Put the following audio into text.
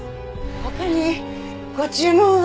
他にご注文は？